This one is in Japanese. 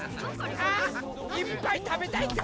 あいっぱいたべたいってことね。